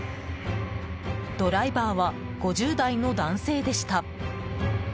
ドライバーは５０代の男性でした。